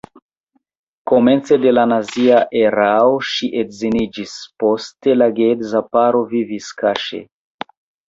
Komence de la nazia erao ŝi edziniĝis, poste la geedza paro vivis kaŝe.